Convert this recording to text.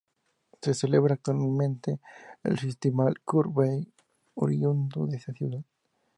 Se celebra anualmente el Festival Kurt Weill, oriundo de esa ciudad.